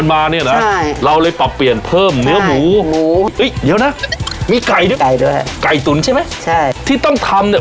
มีไก่ด้วยไก่ด้วยไก่ตุ๋นใช่ไหมใช่ที่ต้องทำเนี้ย